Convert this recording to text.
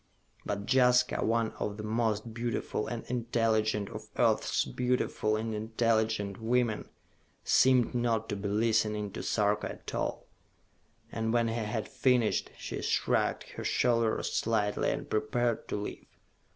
But Jaska, one of the most beautiful and intelligent of Earth's beautiful and intelligent women, seemed not to be listening to Sarka at all, and when he had finished, she shrugged her shoulders slightly and prepared to leave.